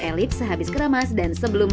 elips habis keramas dan sebelum